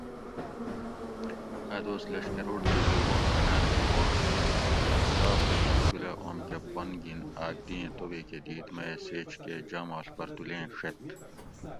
ا دوس لشکروٹ تے جوبوٹ بنال تھی وانش چراغ تے پرتولہ اوم کہ پن گین آکدیں توبیکہ دیت میہ سیچ کہ جاماڷ پرتولیں ڛیت